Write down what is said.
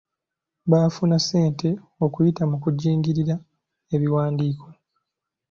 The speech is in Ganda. Bafuna ssente, okuyita mu kujingirira ebiwandiiko.